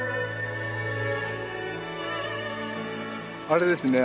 あれですね